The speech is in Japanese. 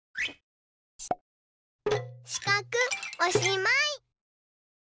しかくおしまい。